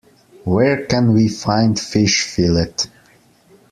Where can we find fish fillet?